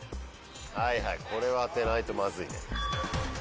はいはいこれは当てないとマズいね。